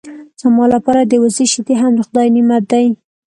زما لپاره د وزې شیدې هم د خدای نعمت دی.